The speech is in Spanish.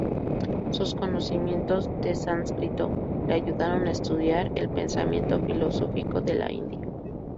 Sus conocimientos de sánscrito le ayudaron a estudiar el pensamiento filosófico de la India.